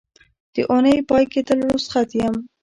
د اونۍ پای کې تل روخصت یم